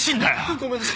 ごめんなさい！